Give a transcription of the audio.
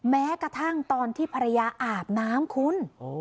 แม้กระทั่งตอนที่ภรรยาอาบน้ำคุณ